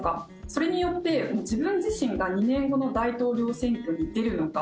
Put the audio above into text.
それによって自分自身が２年後の大統領選挙に出るのか。